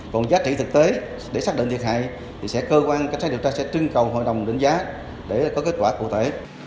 còn giá trị thực tế để xác định thiệt hại thì sẽ cơ quan cách sát điều tra sẽ trưng cầu hội đồng đánh giá để có kết quả cụ thể